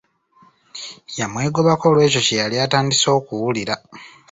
Yamwegobako olw'ekyo kye yali atandise okuwulira.